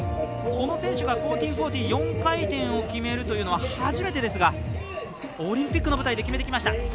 この選手が１４４０４回転を決めるというのは初めてですがオリンピックの舞台で決めてきました。